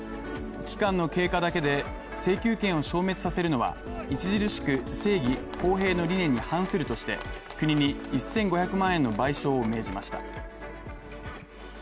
期間の経過だけで請求権を消滅させるのは著しく正義・公平の理念に反するとして国に１５００万円の賠償を命じました。